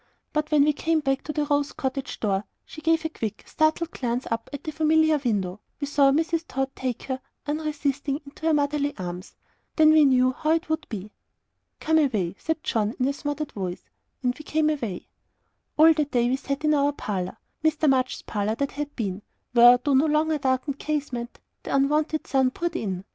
But when we came back to Rose Cottage door, and she gave a quick, startled glance up at the familiar window, we saw Mrs. Tod take her, unresisting, into her motherly arms then we knew how it would be. "Come away," said John, in a smothered voice and we came away. All that day we sat in our parlour Mr. March's parlour that had been where, through the no longer darkened casement, the unwonted sun poured in.